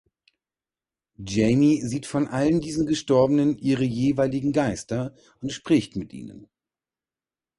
Jamie sieht von allen diesen Gestorbenen ihre jeweiligen Geister und spricht mit ihnen.